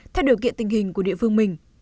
theo điều kiện tình hình của địa phương mình